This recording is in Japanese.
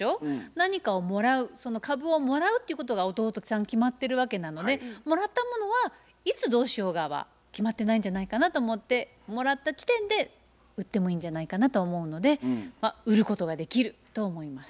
何かをもらうその株をもらうっていうことが弟さん決まってるわけなのでもらったものはいつどうしようがは決まってないんじゃないかなと思ってもらった時点で売ってもいいんじゃないかなと思うので売ることができると思います。